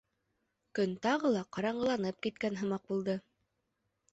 Көн тағы ла ҡараңғыланып киткән һымаҡ булды.